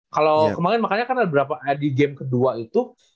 kalau kemarin makanya kan di game kedua itu